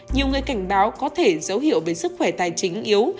nhiều người cảnh báo có thể dấu hiệu về sức khỏe tài chính yếu